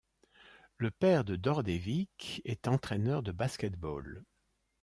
Le père de Đorđević est entraîneur de basket-ball.